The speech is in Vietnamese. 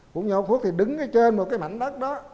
rủ nhau hút thì đứng ở trên một cái mảnh đất đó